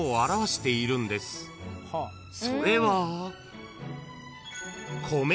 ［それは］